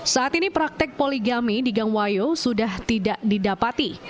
saat ini praktek poligami di gang wayo sudah tidak didapati